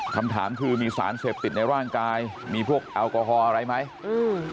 คำถามคือมีสารเสพติดในร่างกายมีพวกแอลกอฮอล์อะไรไหมอืม